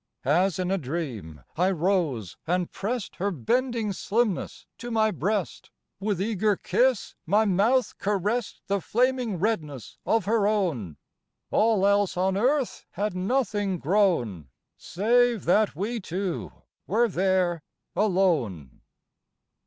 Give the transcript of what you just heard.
As in a dream I rose and pressed Her bending slimness to my breast: With eager kiss my mouth caressed The flaming redness of her own, All else on earth had nothing grown, Save that we two were there alone.